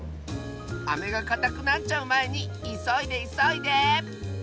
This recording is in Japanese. アメがかたくなっちゃうまえにいそいでいそいで！